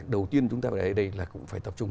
đầu tiên chúng ta phải ở đây là cũng phải tập trung